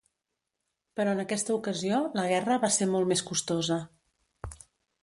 Però en aquesta ocasió la guerra va ser molt més costosa.